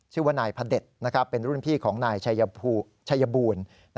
ชื่อว่านายพระเด็จเป็นรุ่นพี่ของนายชัยบูรณ์